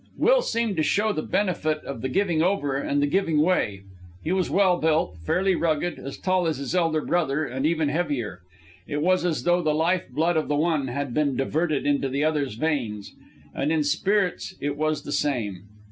Will seemed to show the benefit of the giving over and the giving way. He was well built, fairly rugged, as tall as his elder brother and even heavier. It was as though the life blood of the one had been diverted into the other's veins. And in spirits it was the same.